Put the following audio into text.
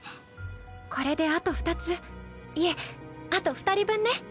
これであと二ついえあと二人分ね。